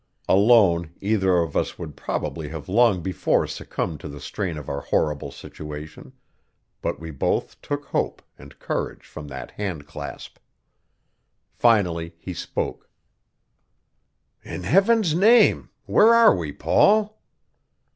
Alone, either of us would probably have long before succumbed to the strain of our horrible situation; but we both took hope and courage from that hand clasp. Finally he spoke: "In Heaven's name, where are we, Paul?"